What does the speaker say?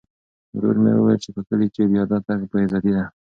ورور مې وویل چې په کلي کې پیاده تګ بې عزتي ده.